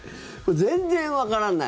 全然わからない。